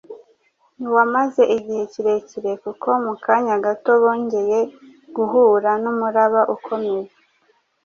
ntiwamaze igihe kirekire kuko mu kanya gato bongeye guhura n’umuraba ukomeye.